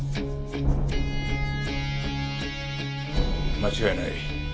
間違いない。